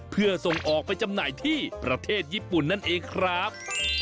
เพื่อส่งออกไปจำหน่ายที่ประเทศญี่ปุ่นนั่นเองครับ